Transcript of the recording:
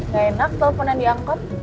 gak enak teleponan diangkut